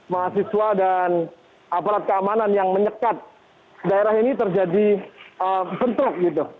mahasiswa dan aparat keamanan yang menyekat daerah ini terjadi bentrok gitu